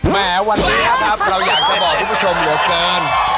แหมวันนี้นะครับเราอยากจะบอกคุณผู้ชมเหลือเกิน